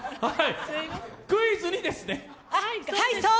クイズにですね？